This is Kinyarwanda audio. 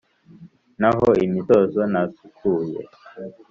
naho imitozo nasukuye